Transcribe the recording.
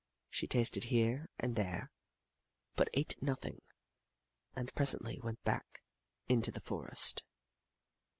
She tasted here and there, but ate nothing, and presently went back into the forest.